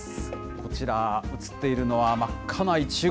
こちら、映っているのは、真っ赤なイチゴ。